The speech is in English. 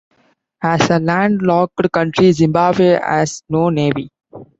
As a landlocked country, Zimbabwe has no navy.